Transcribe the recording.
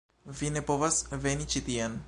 Vi ne povas veni ĉi tien.